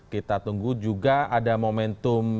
kita tunggu juga ada momentum